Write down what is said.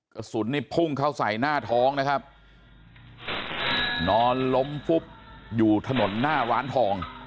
กระสุนนี่พุ่งเข้าใส่หน้าท้องนะครับนอนล้มฟุบอยู่ถนนหน้าร้านทอง